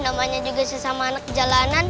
ujannya juga sama anak jalanan